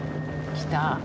来た。